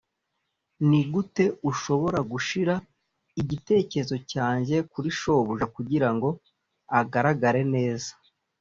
nigute ushobora gushira igitekerezo cyanjye kuri shobuja kugirango agaragare neza?